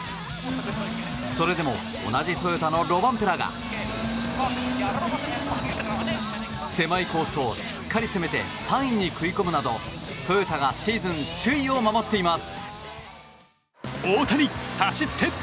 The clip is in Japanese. それでも同じトヨタのロバンペラが狭いコースをしっかり攻めて３位に食い込むなどトヨタがシーズン首位を守っています。